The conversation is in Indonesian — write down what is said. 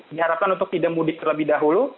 diharapkan untuk tidak mudik terlebih dahulu